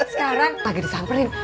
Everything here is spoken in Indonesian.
sekarang lagi disamperin